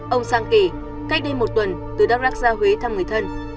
ông sang kỳ cách đây một tuần từ đắk rắc ra huế thăm người thân